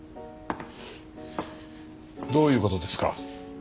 どういう事ですか？